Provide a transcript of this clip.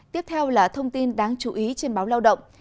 tiếp theo là thông tin đáng chú ý trên báo lao động